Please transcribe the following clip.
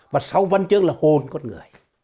và sau văn chương là hồn con người